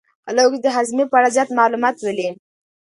خلک اوس د هاضمې په اړه زیات معلومات لولي.